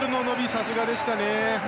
さすがでしたね。